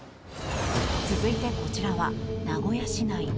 続いて、こちらは名古屋市内。